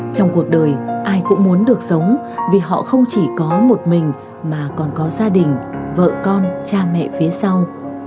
trong cuộc đời ai cũng muốn được sống vì họ không chỉ có một mình mà còn có gia đình vợ con cha mẹ phía sau